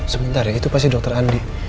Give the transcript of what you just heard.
sebentar ya itu pasti dokter andi